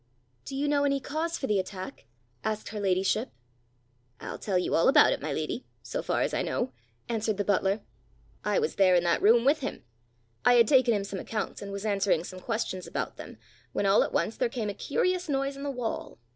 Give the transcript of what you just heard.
"Do you know any cause for the attack?" asked her ladyship. "I'll tell you all about it, my lady, so far as I know," answered the butler. " I was there in that room with him I had taken him some accounts, and was answering some questions about them, when all at once there came a curious noise in the wall.